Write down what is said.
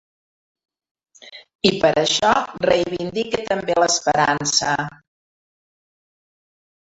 I per això reivindique també l’esperança.